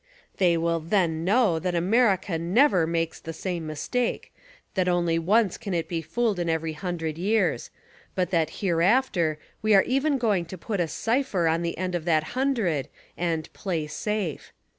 They will then know 'that America never makes the same mistake; that only once can it be fooled in every hundred years; but that hereafter we are even going to put a cipher on the end of that hundred, and — play safe.